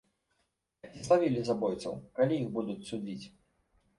А ці злавілі забойцаў, калі іх будуць судзіць?